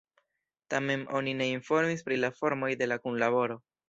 Tamen oni ne informis pri la formoj de la kunlaboro.